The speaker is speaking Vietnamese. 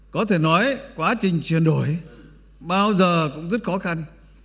có thể nói quá trình chuyển đổi bao giờ cũng rất khó khăn